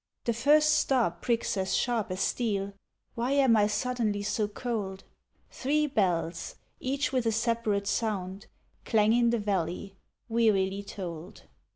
The first star pricks as sharp as steel Why am I suddenly so cold? Three bells, each with a separate sound Clang in the valley, wearily tolled.